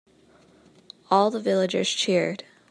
All the villagers cheered.